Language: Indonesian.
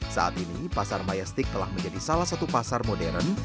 saat ini pasar mayastik telah menjadi salah satu pasar modern